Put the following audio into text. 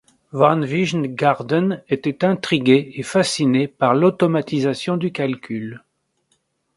Van Wijngaarden était intrigué et fasciné par l'automatisation du calcul.